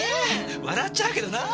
笑っちゃうけどなぁ。